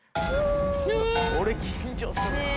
これ緊張するな。